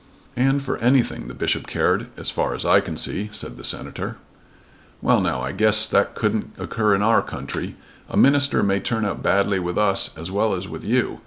"And for anything the bishop cared as far as I can see," said the Senator. "Well now, I guess, that couldn't occur in our country. A minister may turn out badly with us as well as with you.